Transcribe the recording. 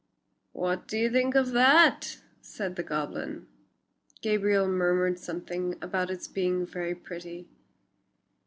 "What do you think of that?" said the goblin. Gabriel murmured something about its being very pretty.